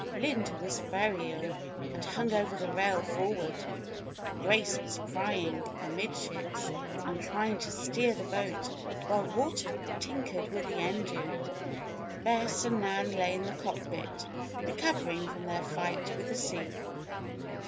Linda was very ill, and hung over the rail forward. Grace was crying, amidships, and trying to steer the boat while Walter tinkered with the engine. Bess and Nan lay in the cockpit, recovering from their fight with the sea.